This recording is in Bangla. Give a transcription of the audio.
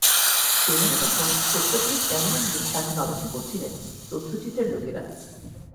সেখানে তখন অত্যাধুনিক ক্যামেরা নিয়ে তাঁর জন্য অপেক্ষা করছিলেন তথ্যচিত্রের লোকেরা।